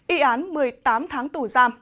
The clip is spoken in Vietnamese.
y án một mươi tám tháng tù giam